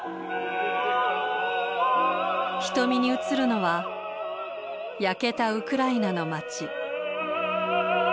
瞳に映るのは焼けたウクライナの街。